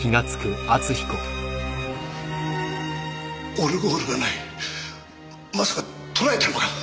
オルゴールがないまさか取られたのか？